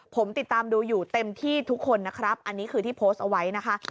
ผมติดตามดูอยู่เต็มที่ทุกคนนะครับอันนี้คือที่โพสต์เอาไว้นะคะ